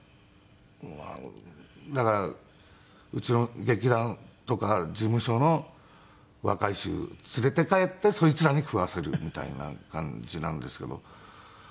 だからうちの劇団とか事務所の若い衆連れて帰ってそいつらに食わせるみたいな感じなんですけど。